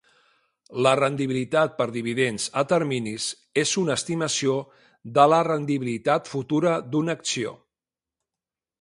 La rendibilitat per dividends a terminis és una estimació de la rendibilitat futura d'una acció.